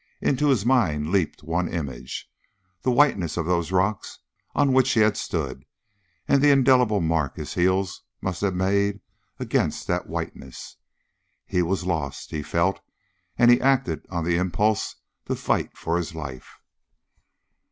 Into his mind leaped one image the whiteness of those rocks on which he had stood and the indelible mark his heels must have made against that whiteness. He was lost, he felt, and he acted on the impulse to fight for his life.